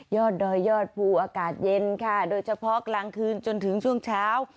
ดอยยอดภูอากาศเย็นค่ะโดยเฉพาะกลางคืนจนถึงช่วงเช้า